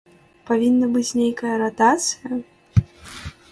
Павінна быць нейкая ратацыя?